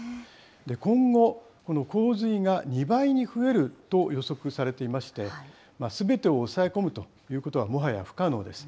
今後、この洪水が２倍に増えると予測されていまして、すべてを抑え込むということは、もはや不可能です。